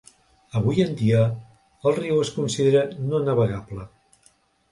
Avui en dia el riu es considera no navegable.